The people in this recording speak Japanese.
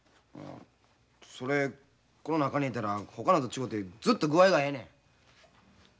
それこの中に入れたらほかのと違うてずっと具合がええねん。